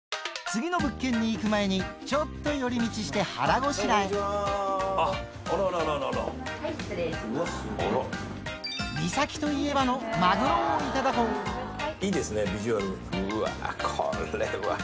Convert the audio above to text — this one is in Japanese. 次の物件に行く前にちょっと寄り道して腹ごしらえ三崎といえば！のマグロをいただこううわこれは！